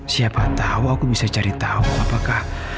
siapa tau aku bisa cari tau apakah